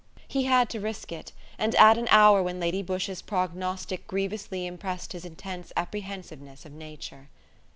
He had to risk it; and at an hour when Lady Busshe's prognostic grievously impressed his intense apprehensiveness of nature.